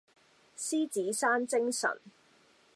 獅子山精神